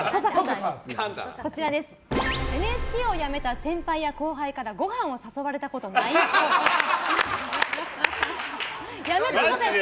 ＮＨＫを辞めた先輩や後輩からごはんを誘われたことないっぽい。